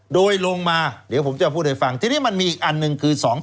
โดยลงมาเดี๋ยวผมจะพูดให้ฟังทีนี้มันมีอีกอันหนึ่งคือ